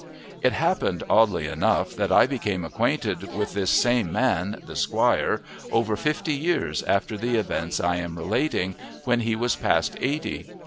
It happens, oddly enough, that I became acquainted with this same man, the squire, over fifty years after the events I am relating, when he was past eighty.